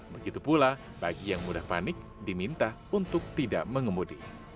begitu pula bagi yang mudah panik diminta untuk tidak mengemudi